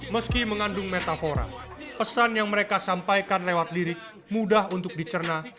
meski mengandung metafora pesan yang mereka sampaikan lewat lirik mudah untuk dicerna